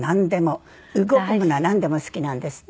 動くものはなんでも好きなんですって。